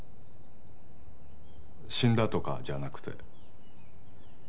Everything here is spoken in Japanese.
死んだとかじゃなくて。